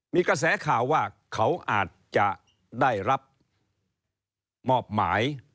มีกระแสข่าวว่าเขาอาจจะได้รับมอบหมาย